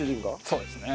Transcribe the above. そうですね。